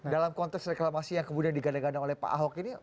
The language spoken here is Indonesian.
dalam konteks reklamasi yang kemudian digadang gadang oleh pak ahok ini